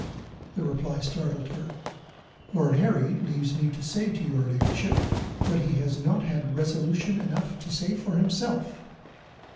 The reply startled her: "Lord Harry leaves me to say to your ladyship, what he has not had resolution enough to say for himself."